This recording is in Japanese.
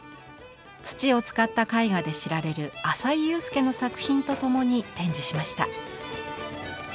土を使った絵画で知られる淺井裕介の作品とともに展示しました。